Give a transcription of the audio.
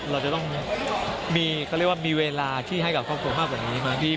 เราจะต้องมีเวลาที่ให้กับครอบครัวมากกว่านี้